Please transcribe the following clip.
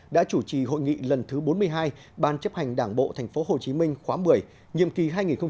đã chủ trì hội nghị lần thứ bốn mươi hai ban chấp hành đảng bộ tp hcm khóa một mươi nhiệm kỳ hai nghìn hai mươi hai nghìn hai mươi năm